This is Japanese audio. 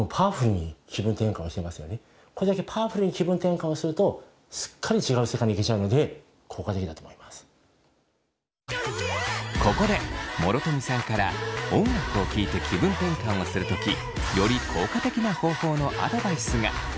っとこれだけパワフルに気分転換をするとすっかりここで諸富さんから音楽を聴いて気分転換をする時より効果的な方法のアドバイスが。